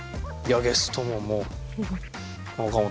ゲストももう。